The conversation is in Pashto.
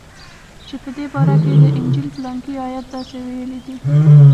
چې په دې باره کښې د انجيل پلانکى ايت داسې ويلي دي.